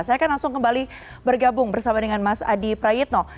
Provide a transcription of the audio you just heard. saya akan langsung kembali bergabung bersama dengan mas adi prayitno